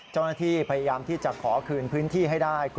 เจ้าหน้าที่พยายามที่จะขอคืนพื้นที่ให้ได้